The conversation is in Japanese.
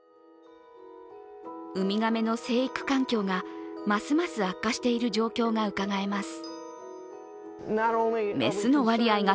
ウミガメの生育環境がますます悪化している状況がうかがえます。